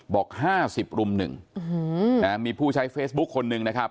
บอก๕๐รุ่มหนึ่งอือหือนะมีผู้ใช้เฟสบุ๊คคนนึงนะครับ